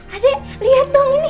adek lihat dong ini